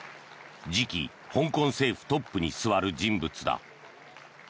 次期香港政府トップに座る人物だ。